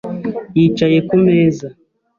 Yicaye ku meza.